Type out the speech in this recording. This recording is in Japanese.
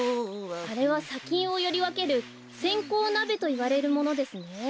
あれはさきんをよりわけるせんこうなべといわれるものですね。